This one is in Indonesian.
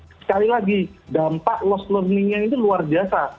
sekali lagi dampak lost learningnya itu luar biasa